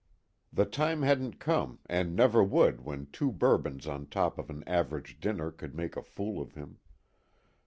The time hadn't come and never would when two bourbons on top of an average dinner could make a fool of him.